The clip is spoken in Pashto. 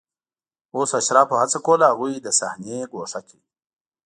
اوس اشرافو هڅه کوله هغوی له صحنې ګوښه کړي